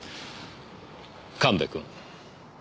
神戸君。